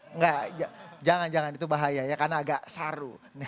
enggak jangan jangan itu bahaya ya karena agak saru